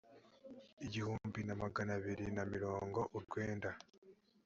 igihumbi na magana abiri na mirongo urwenda